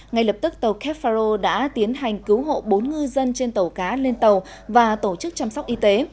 ngay lập tức tàu kepharo đã tiến hành cứu hộ bốn ngư dân trên tàu cá lên tàu và tổ chức chăm sóc y tế